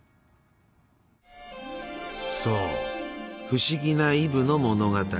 そう不思議なイブの物語。